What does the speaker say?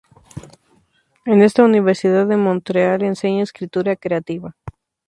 En esta universidad, en Montreal, enseña escritura creativa.